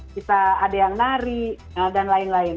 bisa ada yang nari dan lain lain